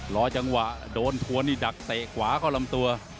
รอจังหวะโดนทวนนี่ดักเตะขวาเข้าลำตัว